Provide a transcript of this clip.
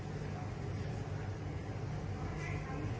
ติดลูกคลุม